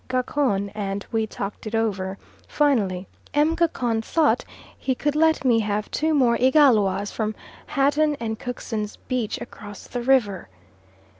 Gacon, and we talked it over; finally, M. Gacon thought he could let me have two more Igalwas from Hatton and Cookson's beach across the river.